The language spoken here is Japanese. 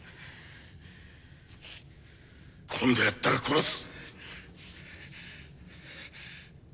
今度やったら殺す！